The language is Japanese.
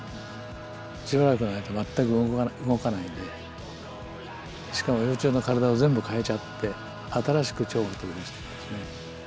しばらくの間全く動かないでしかも幼虫の体を全部変えちゃって新しくチョウが飛び出してきますね。